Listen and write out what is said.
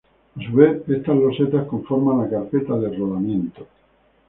A su vez, estas losetas conforman la carpeta de rodamiento.